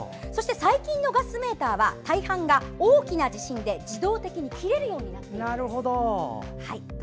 最近のガスメーターは大半が地震で自動で消えるようになっています。